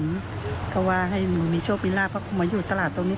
เพราะว่าให้หนูมีโชคมีลาบเพราะมาอยู่ตลาดตรงนี้